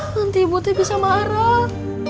nanti ibu tuh bisa marah